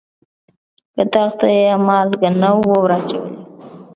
کتغ ته یې مالګه نه وه وراچولې.